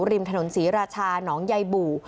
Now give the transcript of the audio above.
ริมถนนศรีราชาหนองใยบู่